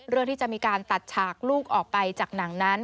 ที่จะมีการตัดฉากลูกออกไปจากหนังนั้น